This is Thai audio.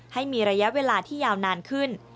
ให้มีระยะเวลาที่ยาวนานขึ้น